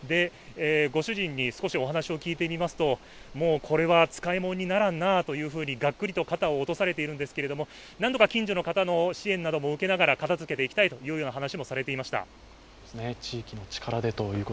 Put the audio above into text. ご主人に少しお話を聞いてみますと、もうこれは使い物にならんなとがっくりと肩を落とされているんですけど、なんとか近所の方の支援も受けながら片づけていきたいという話もされていました。